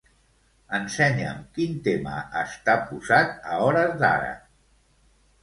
Ensenya'm quin tema està posat a hores d'ara.